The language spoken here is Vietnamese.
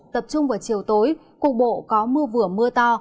tập trung vào chiều tối cục bộ có mưa vừa mưa to